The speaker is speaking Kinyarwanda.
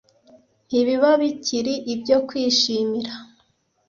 Ntibiba bikiri ibyo kwishimira